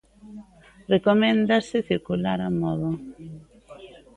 Recoméndase circular a modo.